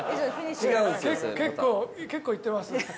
結構結構いってます。